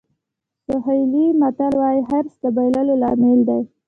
سوهیلي متل وایي حرص د بایللو لامل دی.